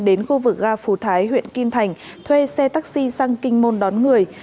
đến khu vực ga phú thái huyện kim thành thuê xe taxi sang kinh môn đón người